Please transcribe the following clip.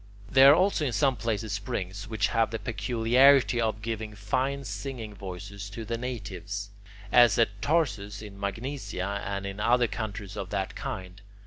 There are also in some places springs which have the peculiarity of giving fine singing voices to the natives, as at Tarsus in Magnesia and in other countries of that kind.